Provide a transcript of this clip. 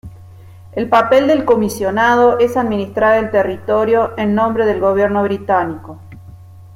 El papel del comisionado es administrar el territorio en nombre del gobierno británico.